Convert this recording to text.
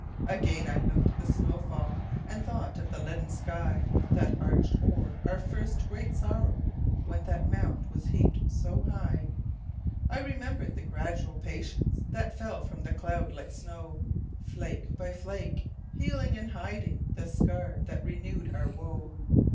Again I looked at the snow fall, And thought of the leaden skyThat arched o'er our first great sorrow, When that mound was heaped so high.I remembered the gradual patienceThat fell from that cloud like snow, Flake by flake, healing and hidingThe scar that renewed our woe.